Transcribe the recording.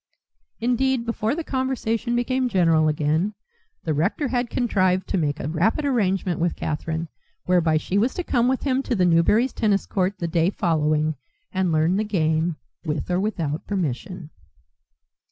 Indeed, before the conversation became general again the rector had contrived to make a rapid arrangement with Catherine whereby she was to come with him to the Newberry's tennis court the day following and learn the game, with or without permission.